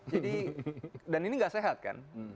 jadi dan ini nggak sehat kan